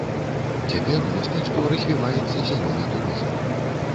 Цяпер у мястэчку развіваецца зялёны турызм.